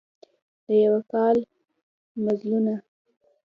د یوه کال مزلونه